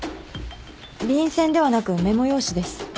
便箋ではなくメモ用紙です。